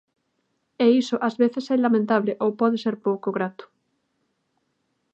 E iso ás veces é lamentable ou pode ser pouco grato.